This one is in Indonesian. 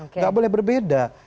nggak boleh berbeda